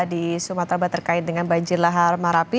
di sumatera terkait dengan banjir lahar marapi